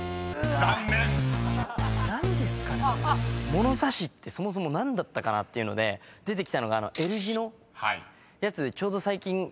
物差しってそもそも何だったかなっていうので出てきたのがＬ字のやつでちょうど最近。